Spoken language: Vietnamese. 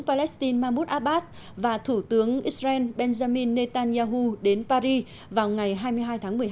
palestine mahmoud abbas và thủ tướng israel benjamin netanyahu đến paris vào ngày hai mươi hai tháng một mươi hai